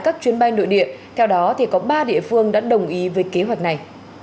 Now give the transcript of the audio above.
các chuyến bay nội địa theo đó có ba địa phương đã đồng ý với kế hoạch này